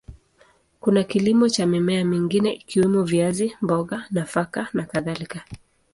Kuna kilimo cha mimea mingine ikiwemo viazi, mboga, nafaka na kadhalika.